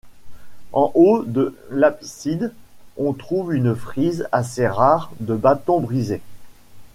En haut de l'abside on trouve une frise assez rare de bâtons brisés.